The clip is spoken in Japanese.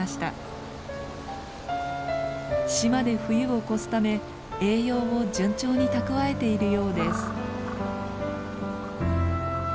島で冬を越すため栄養を順調に蓄えているようです。